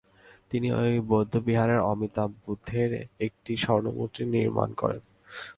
তিনি ঐ বৌদ্ধবিহারের অমিতাভ বুদ্ধের একটি স্বর্ণমূর্তি নির্মাণ করেন।